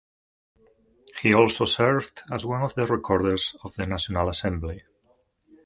He also served as one of the recorders of the National Assembly.